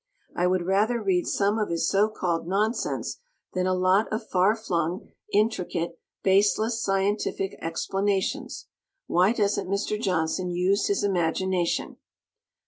I would rather read some of his so called nonsense than a lot of far flung, intricate, baseless scientific explanations. Why doesn't Mr. Johnson use his imagination?